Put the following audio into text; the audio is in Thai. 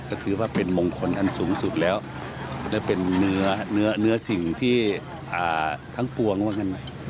ก็ถือว่าเป็นมงคลอันสูงสุดแล้วและเป็นเนื้อสิ่งที่ทั้งปวงว่างั้น